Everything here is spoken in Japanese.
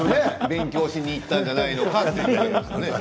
勉強しに行ったんじゃないのかって。